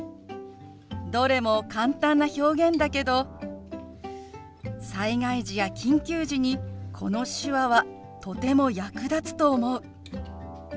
どれも簡単な表現だけど災害時や緊急時にこの手話はとても役立つと思う。